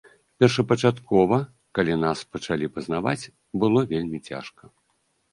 Першапачаткова, калі нас пачалі пазнаваць, было вельмі цяжка.